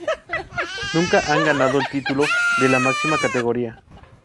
Nunca han ganado el título de la máxima categoría.